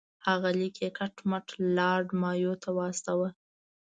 هغه لیک یې کټ مټ لارډ مایو ته واستاوه.